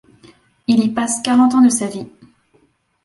Il y passe quarante ans de sa vie.